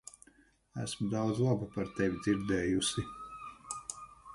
Esmu daudz laba par tevi dzirdējusi.